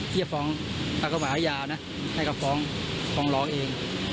เฮียพออากระบะอาญานะให้กับฝองฝองร้อนเอง